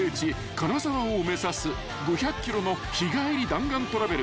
金沢を目指す５００ｋｍの日帰り弾丸トラベル］